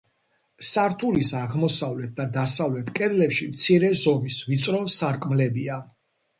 სართულის აღმოსავლეთ და დასავლეთ კედლებში მცირე ზომის, ვიწრო სარკმლებია.